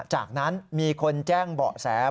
จากนั้นมีคนแจ้งเบาะแส